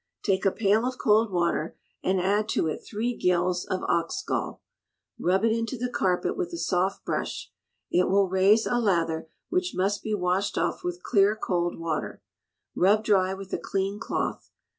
Take a pail of cold water, and add to it three gills of ox gall. Rub it into the carpet with a soft brush. It will raise a lather, which must be washed off with clear cold water. Rub dry with a clean cloth.